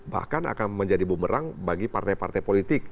bahkan akan menjadi bumerang bagi partai partai politik